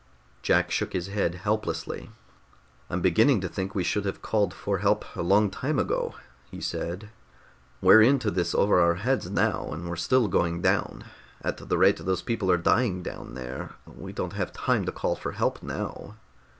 Jack shook his head helplessly. "I'm beginning to think we should have called for help a long time ago," he said. "We're into this over our heads now and we're still going down. At the rate those people are dying down there, we don't have time to call for help now."